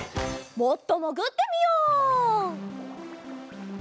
もっともぐってみよう。